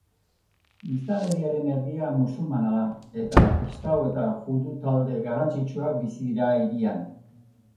Biztanleriaren erdia musulmana da, eta kristau eta judu talde garrantzitsuak bizi dira hirian